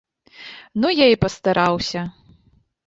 Ну я і пастараўся.